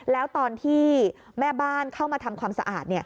แล้วตอนที่แม่บ้านเข้ามาทำความสะอาด